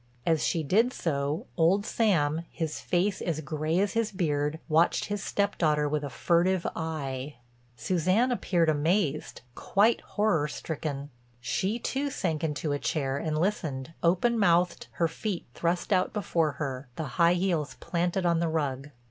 As she did so old Sam, his face as gray as his beard, watched his stepdaughter with a furtive eye. Suzanne appeared amazed, quite horror stricken. She too sank into a chair, and listened, open mouthed, her feet thrust out before her, the high heels planted on the rug.